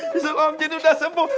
bisul om jin udah sembuh